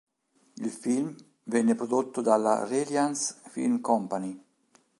Il film venne prodotto dalla Reliance Film Company.